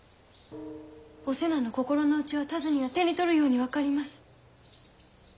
お瀬名の心の内は田鶴には手に取るように分かります。